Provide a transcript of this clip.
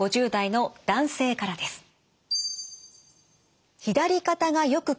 ５０代の男性からです。